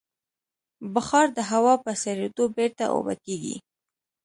بخار د هوا په سړېدو بېرته اوبه کېږي.